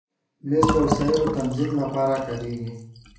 مېز د وسایلو تنظیم لپاره کارېږي.